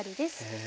へえ。